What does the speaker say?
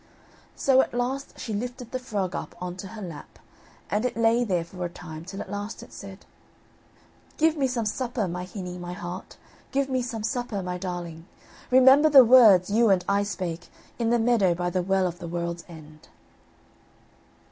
So at last she lifted the frog up on to her lap, and it lay there for a time, till at last it said: "Give me some supper, my hinny, my heart, Give me some supper, my darling; Remember the words you and I spake, In the meadow, by the Well of the World's End."